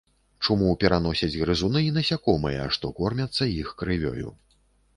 Чуму пераносяць грызуны і насякомыя, што кормяцца іх крывёю.